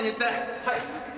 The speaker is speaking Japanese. はい。